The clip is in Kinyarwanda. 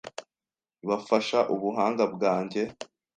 Bafasha ubuhanga bwanjye. ”